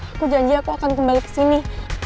aku janji aku akan kembali ke sini